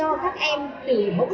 vỏ hộp sữa các em sử dụng